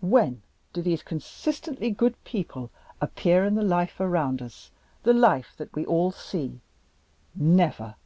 When do these consistently good people appear in the life around us, the life that we all see? Never!